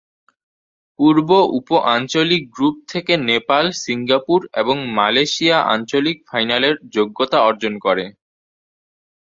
পূর্ব উপ-আঞ্চলিক গ্রুপ থেকে নেপাল, সিঙ্গাপুর এবং মালয়েশিয়া আঞ্চলিক ফাইনালের যোগ্যতা অর্জন করে।